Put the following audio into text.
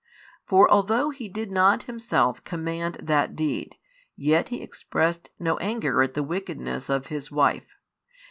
For although he did not himself command that deed, yet he expressed no anger at the wickedness of his wife.